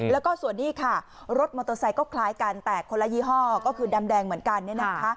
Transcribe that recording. แล้วก็ส่วนนี้ค่ะรถมอเตอร์ไซค์ก็คล้ายกันแต่คนละยี่ห้อก็คือดำแดงเหมือนกัน